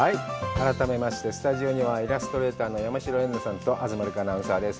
改めましてスタジオにはイラストレーターの山代エンナさんと東留伽アナウンサーです。